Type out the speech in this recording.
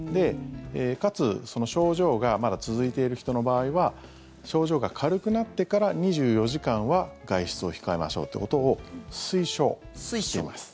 かつ、その症状がまだ続いている人の場合は症状が軽くなってから２４時間は外出を控えましょうってことを推奨してます。